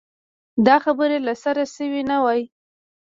دا خبرې له سره شوې نه وای.